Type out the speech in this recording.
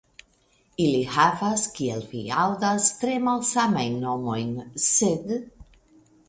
Ili havas, kiel vi aŭdas, tre malsamajn nomojn, sed..